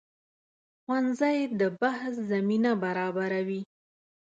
ښوونځی د بحث زمینه برابروي